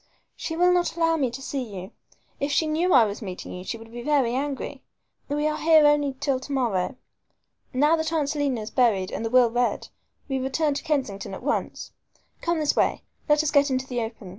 "She will not allow me to see you. If she knew I was meeting you she would be very angry. We are here only till to morrow. Now that Aunt Selina is buried and the will read, we return to Kensington at once. Come this way. Let us get into the open.